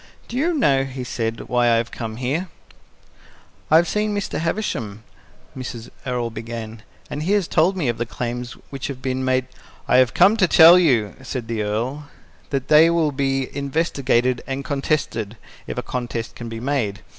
"Do you know," he said, "why I have come here?" "I have seen Mr. Havisham," Mrs. Errol began, "and he has told me of the claims which have been made " "I have come to tell you," said the Earl, "that they will be investigated and contested, if a contest can be made.